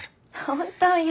本当よ。